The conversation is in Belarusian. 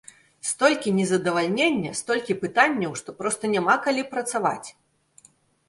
Столькі незадавальнення, столькі пытанняў, што проста няма калі працаваць!